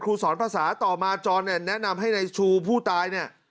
ครูสอนภาษาต่อมาจอร์แนนแนะนำให้ชูผู้ตาย